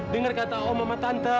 dengar kata om mama tante